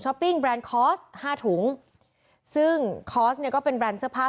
ช้อปปิ้งแบรนด์ห้าถุงซึ่งเนี่ยก็เป็นแบรนด์เสื้อผ้า